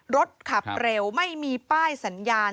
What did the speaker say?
รถขับเร็วไม่มีป้ายสัญญาณ